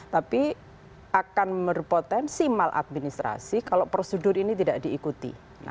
tapi akan berpotensi maladministrasi kalau prosedur ini tidak diikuti